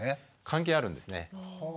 関係あるんですね。